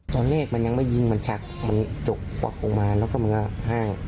ตอนแรกมันยังไม่ยิงมันชักมันจกปักลงมาแล้วก็มันก็แห้ง